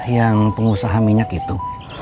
yang pengusaha minyak itu